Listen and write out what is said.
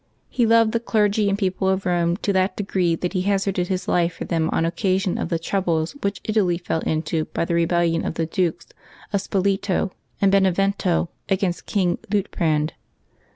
He loved the clergy and people of Eome to that degree that he hazarded his life for them on occasion of the troubles which Italy fell into by the rebellion of the Dukes of Spoleto and Benevento against King Luitprand.